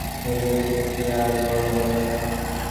তাহার নিজের একটা কী কথা বলিবার ছিল, সে আর বলা হইল না।